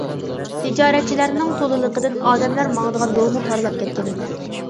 تىجارەتچىلەرنىڭ تولىلىقىدىن ئادەملەر ماڭىدىغان يولمۇ تارلاپ كەتكەنىدى.